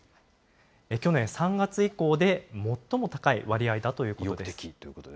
去年３月以降で最も高い割合だということです。